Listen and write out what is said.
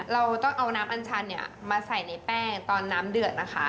เราต้องเอาน้ำอัญชันเนี่ยมาใส่ในแป้งตอนน้ำเดือดนะคะ